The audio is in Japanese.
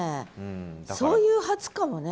そういう初かもね。